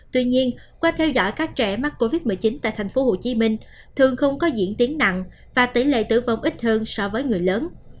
tuy nhiên qua theo dõi các trẻ mắc covid một mươi chín tại tp hcm thường không có diễn tiến nặng và tỷ lệ tử vong ít hơn so với người lớn